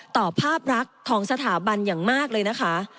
ภาพรักของสถาบันอย่างมากเลยนะคะ